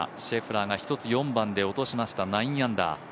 シェフラーが１つ、４番で落としました９アンダー。